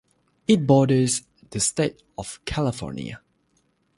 It borders the state of California.